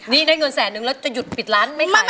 นี่ได้เงินแสนนึงแล้วจะหยุดปิดร้านไม่ฟัง